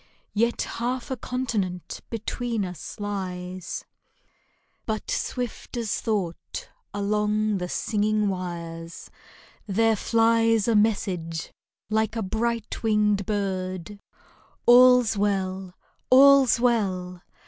Yet half a continent between us lies ! But swift as thought along the '* singing wires " There flies a message like a bright winged bird —'* All's well ! All's well